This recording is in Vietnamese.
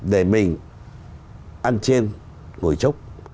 để mình ăn chên ngồi chốc